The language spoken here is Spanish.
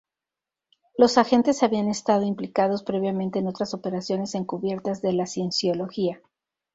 Los agentes habían estado implicados previamente en otras operaciones encubiertas de la Cienciología.